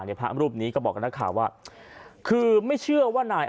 พระรูปนี้ก็บอกกับนักข่าวว่าคือไม่เชื่อว่านาย